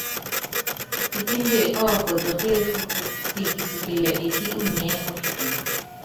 Kipínde ɔ́kɔtɔ kéefúk siki kisikilɛ ekí unyiɛ́ ɔ́kitɔŋ.